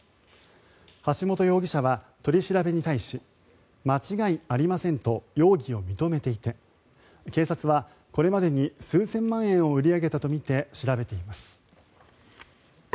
ハシモト容疑者は取り調べに対し間違いありませんと容疑を認めていて警察は、これまでに数千万円を売り上げたとみて調べています。